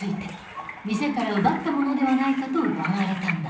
店から奪ったものではないかと疑われたんだ。